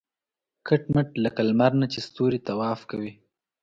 کټ مټ لکه لمر نه چې ستوري طواف کوي.